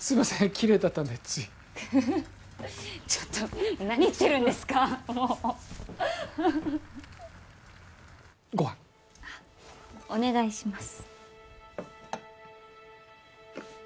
きれいだったんでついフフフッちょっと何言ってるんですかもうご飯あっお願いします